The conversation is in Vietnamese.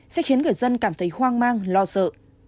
sẽ khiến người dân cảm thấy hoang mang lo sợ